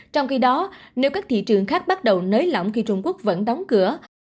trong khi đó nếu các thị trường khác bắt đầu nới lỏng khi trung quốc vẫn đóng cửa